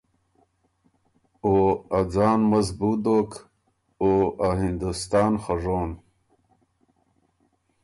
او ا ځان مضبوط دوک او ا هندوستان خه ژون،